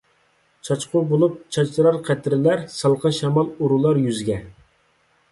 چاچقۇ بولۇپ چاچرار قەترىلەر، سالقىن شامال ئۇرۇلار يۈزگە.